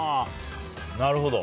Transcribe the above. なるほど。